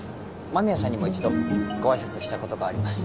間宮さんにも一度ご挨拶したことがあります。